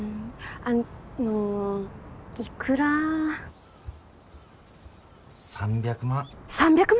あのいくら３００万３００万！？